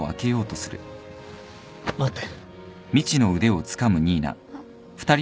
待って。